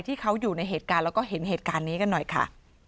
ที่เขาอยู่ในเหตุการณ์แล้วก็เห็นเหตุการณ์นี้กันหน่อยค่ะ